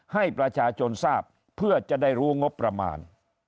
ให้ประชาชนทราบเพื่อจะได้รู้งบประมาณ